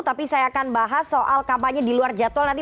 tapi saya akan bahas soal kampanye diluar jadwal nanti